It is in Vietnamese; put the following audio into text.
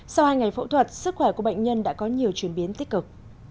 sau hai ngày phẫu thuật sức khỏe của bệnh nhân đã có nhiều chuyển biến tích cực